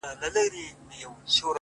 ډک گيلاسونه دي شرنگيږي” رېږدي بيا ميکده”